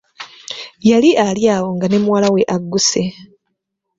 Yali ali awo nga ne muwala we agusse.